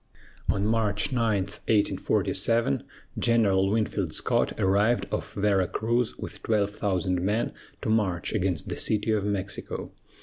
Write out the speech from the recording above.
On March 9, 1847, General Winfield Scott arrived off Vera Cruz with twelve thousand men to march against the City of Mexico.